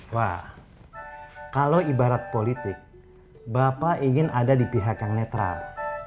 wah kalau ibarat politik bapak ingin ada di pihak yang netral